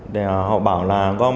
để họ bảo là